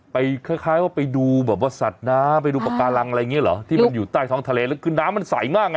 คล้ายว่าไปดูแบบว่าสัตว์น้ำไปดูปากการังอะไรอย่างเงี้เหรอที่มันอยู่ใต้ท้องทะเลแล้วคือน้ำมันใสมากไง